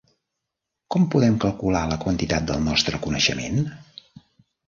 Com podem calcular la quantitat del nostre coneixement?